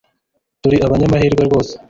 Turi abanyamahirwe rwose